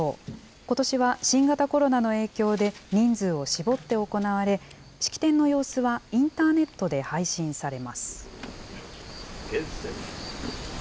ことしは新型コロナの影響で、人数を絞って行われ、式典の様子はインターネットで配信されます。